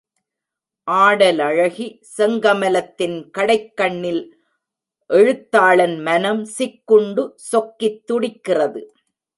ஆடலழகி செங்கமலத்தின் கடைக்கண்ணில் எழுத்தாளன் மனம் சிக்குண்டு சொக்கித் துடிக்கிறது.